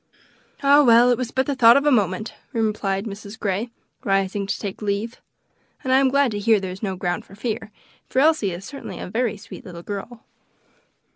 "Ah! well; it was but the thought of a moment," replied Mrs. Grey, rising to take leave, "and I am glad to hear there is no ground for fear, for Elsie is certainly a very sweet little girl."